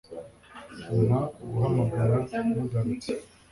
Mpa guhamagara mugarutse